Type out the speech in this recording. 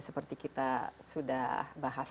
seperti kita sudah bahas